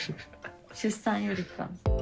出産よりか。